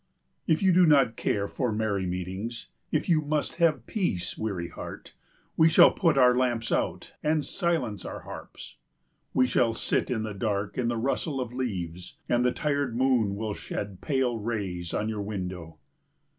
If you do not care for merry meetings, if you must have peace, weary heart, we shall put our lamps out and silence our harps. We shall sit still in the dark in the rustle of leaves, and the tired moon will shed pale rays on your window.